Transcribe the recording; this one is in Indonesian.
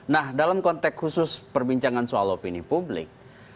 nah dalam konteks khusus perbincangan soal opini publik